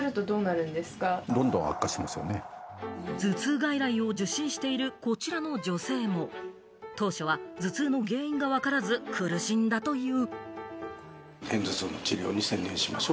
頭痛外来を受診しているこちらの女性も、当初は頭痛の原因がわからず苦しんだという。